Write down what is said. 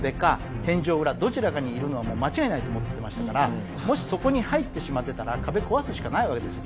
どちらかにいるのはもう間違いないと思ってましたからもしそこに入ってしまってたら壁壊すしかないわけですよ